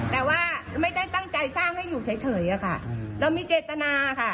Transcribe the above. แต่ว่าไม่ได้ตั้งใจสร้างให้อยู่เฉยแล้วมีเจตนา